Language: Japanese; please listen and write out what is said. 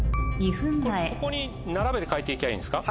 ここに並べて書いて行けばいいんですか？